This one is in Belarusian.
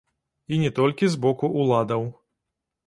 І не толькі з боку ўладаў.